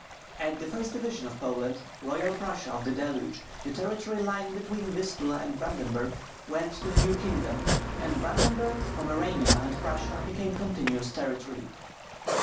At the first division of Poland, Royal Prussia of THE DELUGE, the territory lying between the Vistula and Brandenburg, went to the new kingdom; and Brandenburg, Pomerania, and Prussia became continuous territory.